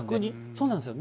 そうなんですよ。